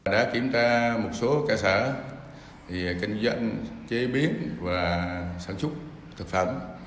đã kiểm tra một số cơ sở kinh doanh chế biến và sản xuất thực phẩm